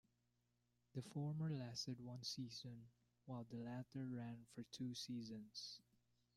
The former lasted one season while the latter ran for two seasons.